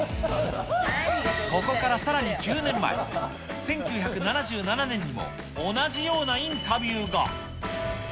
ここからさらに９年前、１９７７年にも同じようなインタビューが。